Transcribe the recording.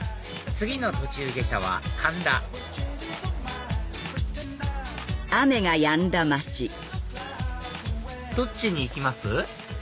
次の途中下車は神田どっちに行きます？